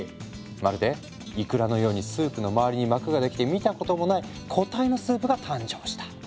まるでいくらのようにスープの周りに膜ができて見たこともない固体のスープが誕生した。